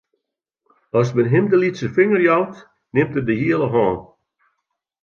As men him de lytse finger jout, nimt er de hiele hân.